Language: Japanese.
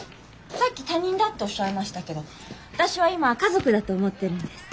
さっき他人だっておっしゃいましたけど私は今は家族だと思ってるんです。